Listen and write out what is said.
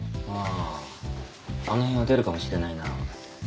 あああの辺は出るかもしれないな。